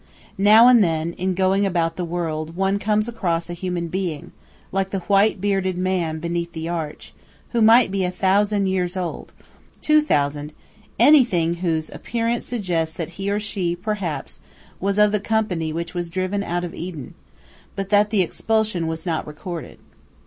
Now and then, in going about the world, one comes across a human being, like the white bearded man beneath the arch, who might be a thousand years old, two thousand, anything, whose appearance suggests that he or she, perhaps, was of the company which was driven out of Eden, but that the expulsion was not recorded.